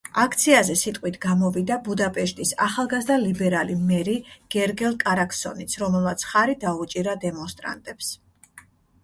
აქციაზე სიტყვით გამოვიდა ბუდაპეშტის ახალგაზრდა ლიბერალი მერი გერგელ კარაკსონიც, რომელმაც მხარი დაუჭირა დემონსტრანტებს.